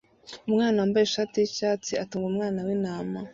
Umwana wambaye ishati yicyatsi atunga umwana wintama